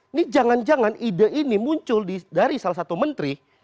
ini jangan jangan ide ini muncul dari salah satu menteri